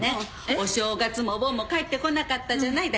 お正月もお盆も帰ってこなかったじゃない？